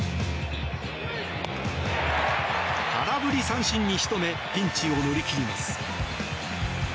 空振り三振に仕留めピンチを乗り切ります。